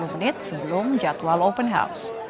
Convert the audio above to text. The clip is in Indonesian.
tiga puluh menit sebelum jadwal open house